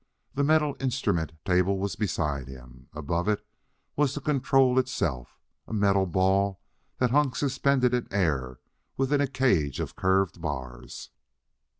The metal instrument table was beside him; above it was the control itself, a metal ball that hung suspended in air within a cage of curved bars.